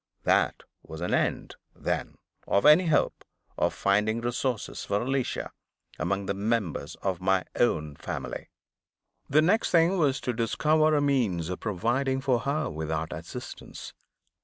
There was an end, then, of any hope of finding resources for Alicia among the members of my own family. The next thing was to discover a means of providing for her without assistance.